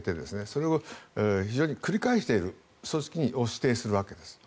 それを非常に繰り返している組織を指定するわけです。